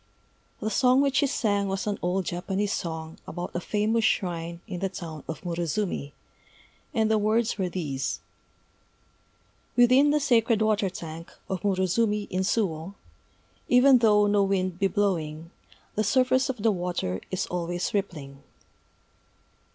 The song which she sang was an old Japanese song about a famous shrine in the town of Murozumi; and the words were these: _Within the sacred water tank of Murozumi in Suwô, Even though no wind be blowing, The surface of the water is always rippling.